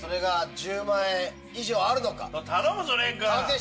頼むぞ廉君！